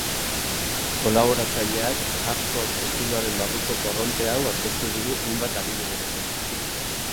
Kolaboratzaileak hardcore estiloaren barruko korronte hau aurkeztu digu hainbat adibiderekin.